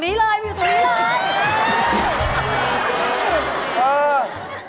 มันอยู่ตรงนี้เลย